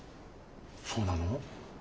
そうなの？